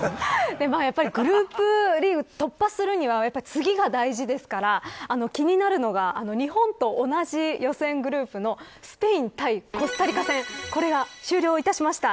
グループリーグを突破するには次が大事ですから気になるのが日本と同じ予選グループのスペイン対コスタリカ戦これが終了しました。